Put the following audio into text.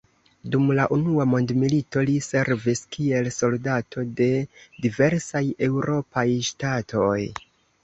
Dum la unua mondmilito li servis kiel soldato de diversaj eŭropaj ŝtatoj.